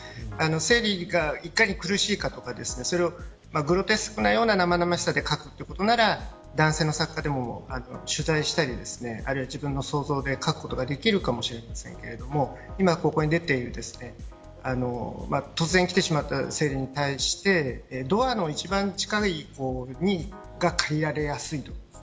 生理がいかに苦しいかとかそれをグロテスクなような生々しさで書くということなら男性の作家でも取材したり自分の想像で書くことができるかもしれませんが今ここに出ている突然きてしまった生理に対してドアの一番近い子に借りられやすいと。